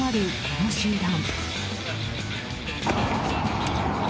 この集団。